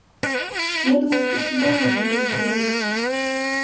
Я думаю, спецыяльна гэта ўсё робіцца.